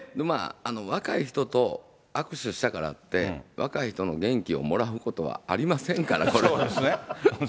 若い人と握手したからって、若い人の元気をもらうことはありませんから、そうですね。